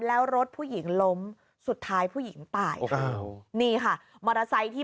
แล้วรถผู้หญิงล้มสุดท้ายผู้หญิงตายอ้าวนี่ค่ะมอเตอร์ไซค์ที่